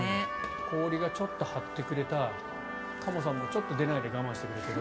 氷がちょっと張ってくれたカモさんもちょっと出ないで我慢してくれた。